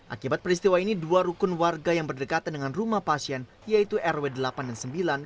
akibat peristiwa ini dua rukun warga yang berdekatan dengan rumah pasien yaitu rw delapan dan sembilan